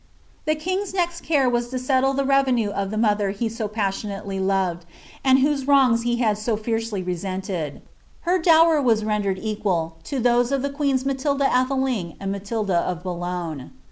The king's neit care was to settle the revenue of the mother Im« passionately loved, and whose wrongs he had so fiercely resentert. Hv dower was rendered equal to those of the queens Matilda AthdiqgMl Hatilda of Boulogne.